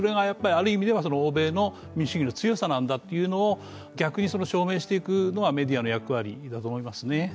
それが欧米の民主主義の強さなんだということを逆に証明していくのがメディアの役割だと思いますね。